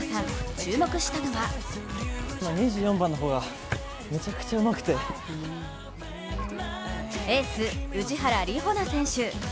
注目したのはエース・氏原里穂菜選手。